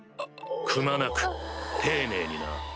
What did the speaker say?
くまなく丁寧にな。